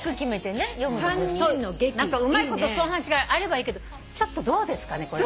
うまいことそういう話があればいいけどちょっとどうですかね。